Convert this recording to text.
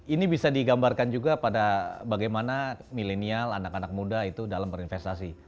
ini bisa digambarkan juga pada bagaimana milenial anak anak muda itu dalam berinvestasi